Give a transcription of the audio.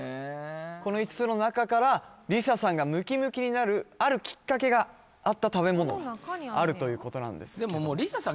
この５つの中からリサさんがムキムキになるあるきっかけがあった食べ物があるということなんですでももうリサさん